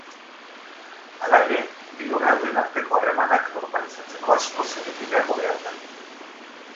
Hala ere, bi lurraldeen arteko harremanak normalizatzeko askoz ere gehiago behar da.